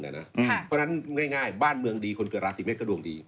เพราะฉะนั้นง่ายบ้านเมืองดีคนเกิดราศีเมษก็ดวงดี